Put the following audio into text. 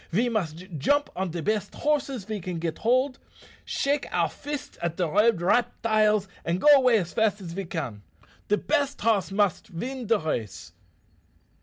"Ve must jump on de best horses ve can git hold, shake our fists at de red reptiles, and go away fast as ve can. De best hoss must vin de race."